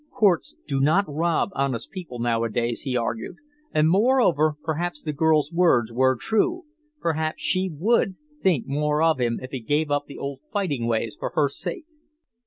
Courts do not rob honest people nowadays, he argued, and moreover, perhaps the girl's words were true, perhaps she WOULD think more of him if he gave up the old fighting ways for her sake.